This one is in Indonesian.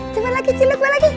coba lagi ciluk bah lagi